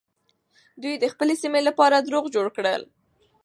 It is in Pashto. دوی د خپلې سيمې لپاره دروغ جوړ کړل.